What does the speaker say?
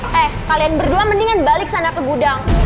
hei kalian berdua mendingan balik sana ke gudang